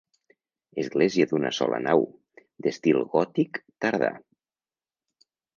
Església d'una sola nau, d'estil gòtic tardà.